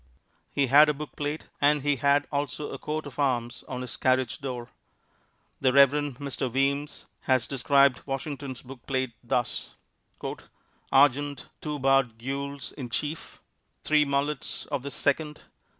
He had a bookplate and he had also a coat of arms on his carriage door. The Reverend Mr. Weems has described Washington's bookplate thus: "Argent, two bar gules in chief, three mullets of the second.